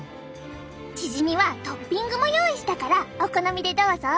チヂミはトッピングも用意したからお好みでどうぞ！